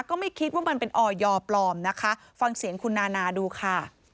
ก็ไม่คิดว่ามันเป็นออยปลอมนะคะฟังเสียงคุณนานาดูค่ะ